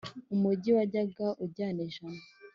umugi wajyaga ujyana ijana,